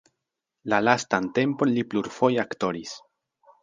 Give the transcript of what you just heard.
La lastan tempon li plurfoje aktoris.